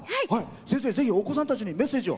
先生、ぜひお子さんたちにメッセージを。